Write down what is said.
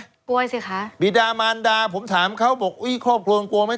กลัวสิคะบีดามารดาผมถามเขาบอกอุ้ยครอบครัวกลัวไหม